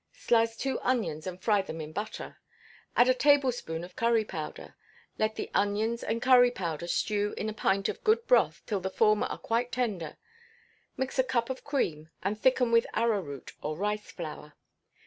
Slice two onions and fry them in butter, add a tablespoonful of curry powder; let the onions and curry powder stew in a pint of good broth till the former are quite tender; mix a cup of cream, and thicken with arrowroot, or rice flour.